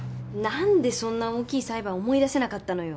何でそんな大きい裁判思い出せなかったのよ。